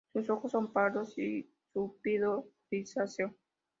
Sus ojos son pardos y su pido grisáceo.